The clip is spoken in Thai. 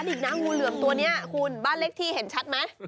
ดิกน้างงูเหลืองตัวนี้บ้านเล็กที่เห็นชัดไหม